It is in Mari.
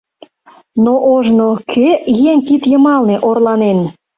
Но ожно кӧ еҥ кид йымалне орланен.